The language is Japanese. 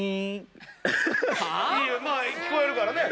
まあ聞こえるからね。